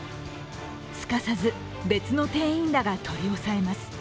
すかさず別の店員らが取り押さえます。